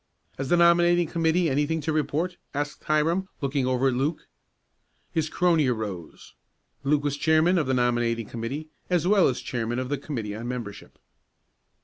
"Has the nominating committee anything to report?" asked Hiram, looking over at Luke. His crony arose. Luke was chairman of the nominating committee, as well as chairman of the committee on membership.